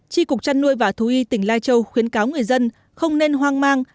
tri cục trăn nuôi và thú y tỉnh lai châu khuyến cáo người dân không nên hoang mang